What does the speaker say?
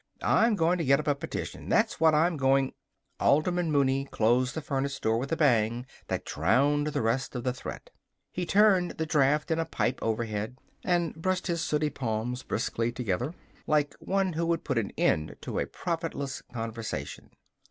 I'm going to get up a petition that's what I'm going " Alderman Mooney closed the furnace door with a bang that drowned the rest of the threat. He turned the draft in a pipe overhead and brushed his sooty palms briskly together like one who would put an end to a profitless conversation.